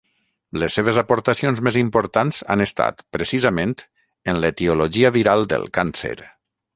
Les seves aportacions més importants han estat, precisament, en l'etiologia viral del càncer.